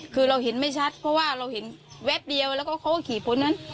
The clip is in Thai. คือเราเห็นไม่ชัดเพราะว่าเราเห็นแวบเดียวแล้วก็เขาก็ขี่พ้นนั้น